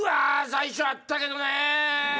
最初あったけどね。